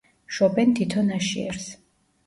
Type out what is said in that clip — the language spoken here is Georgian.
შობენ თითო ნაშიერს.